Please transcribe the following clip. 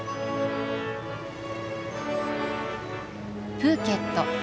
プーケット。